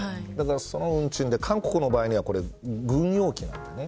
その運賃で、韓国の場合は軍用機なんですね。